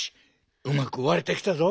うまくわれてきたぞ。